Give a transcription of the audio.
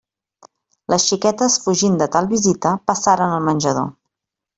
Les xiquetes, fugint de tal visita, passaren al menjador.